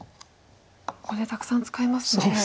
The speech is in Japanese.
ここでたくさん使いますね。